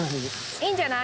いいんじゃない？